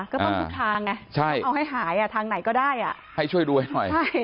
ก็ต้องทุกทางไงเอาให้หายทางไหนก็ได้ให้ช่วยดูให้หน่อย